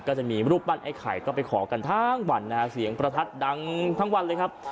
ก็จะมีรูปปั้นไอ้ไข่ก็ไปขอกันทั้งวันนะฮะเสียงประทัดดังทั้งวันเลยครับ